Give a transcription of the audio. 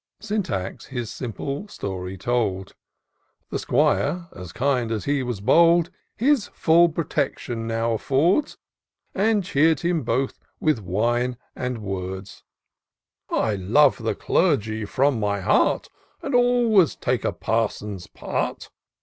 Syntax his simple story told ;— The 'Squire, as kind as he was bold. 108 TOUR OF DOCTOR SYNTAX His ftiU protection now affords^ And cheer'd him both with wine and words. " I love the Clergy from my heart, And always take a parson's part.